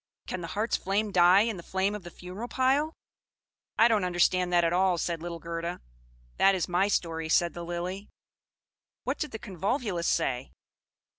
Can the heart's flame die in the flame of the funeral pile?" "I don't understand that at all," said little Gerda. "That is my story," said the Lily. What did the Convolvulus say?